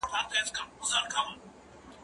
زه به ځواب ليکلی وي؟